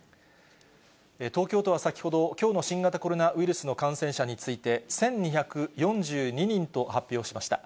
東京都は先ほど、きょうの新型コロナウイルスの感染者について、１２４２人と発表しました。